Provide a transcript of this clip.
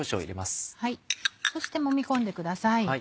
そしてもみ込んでください。